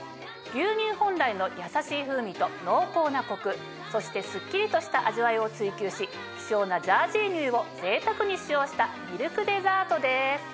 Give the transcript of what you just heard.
牛乳本来のやさしい風味と濃厚なコクそしてスッキリとした味わいを追求し希少なジャージー乳をぜいたくに使用したミルクデザートです。